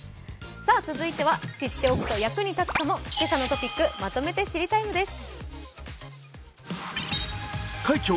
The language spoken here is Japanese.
続いては、知っておくと役に立つかも「けさのトピックまとめて知りＴＩＭＥ，」です。